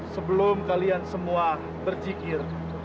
sebelum kalian semua berjikir